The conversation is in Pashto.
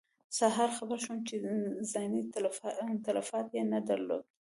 سهار خبر شوم چې ځاني تلفات یې نه درلودل.